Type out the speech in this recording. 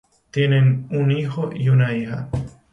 Tienen un hijo y una hija.